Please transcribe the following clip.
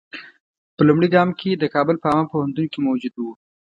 په لومړي ګام کې د کابل په عامه کتابتون کې موجود وو.